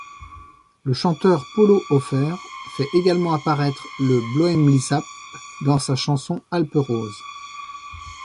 Le chanteur Polo Hofer fait également apparaître le Blüemlisalp dans sa chanson Alperose.